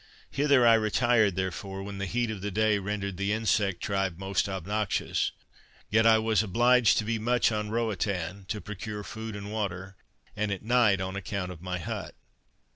Hither I retired, therefore, when the heat of the day rendered the insect tribe most obnoxious; yet I was obliged to be much on Roatan, to procure food and water, and at night on account of my hut.